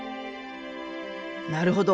なるほど。